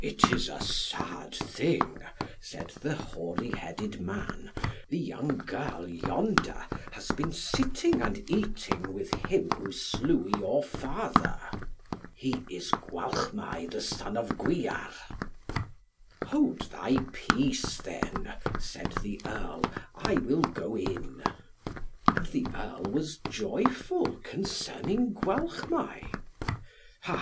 "It is a sad thing," said the hoary headed man, "the young girl yonder has been sitting and eating with him who slew your father. He is Gwalchmai the son of Gwyar." "Hold thy peace, then," said the earl, "I will go in." And the earl was joyful concerning Gwalchmai. "Ha!